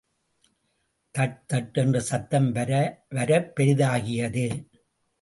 That தட் என்ற சத்தம் வரவரப் பெரிதாகியது.